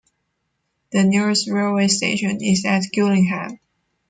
The nearest railway station is at Gillingham.